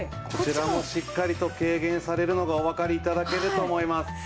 こちらもしっかりと軽減されるのがおわかり頂けると思います。